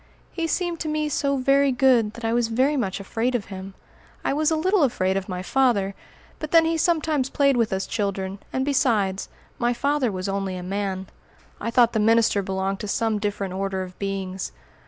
He seemed to me so very good that I was very much afraid of him. I was a little afraid of my father, but then he sometimes played with us children: and besides, my father was only a man. I thought the minister belonged to some different order of beings.